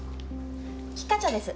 菊花茶です。